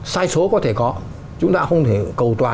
sai số có thể có chúng ta không thể cầu tòa